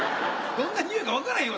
どんなにおいか分からへんわ。